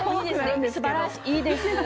いいですね。